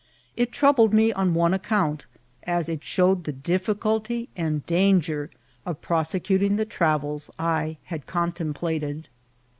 It troubled me on one account, as it showed the difficulty and danger of prosecuting the trareb I had contemplated.